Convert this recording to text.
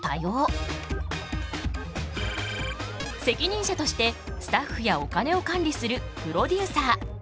責任者としてスタッフやお金を管理するプロデューサー。